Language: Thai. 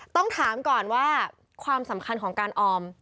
ต้องถามก่อนว่าความสำคัญของการออม